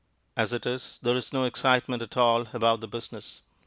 As it is, there is no excitement at all about the business.